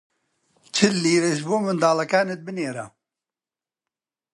چل لیرەش بۆ منداڵەکانت بنێرە!